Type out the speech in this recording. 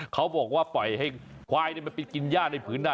เขาบอกว่าปล่อยให้ควายมันไปกินย่าในผืนนา